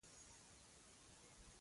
ډوډۍ تیاره شوه او دسترخوان هوار شو.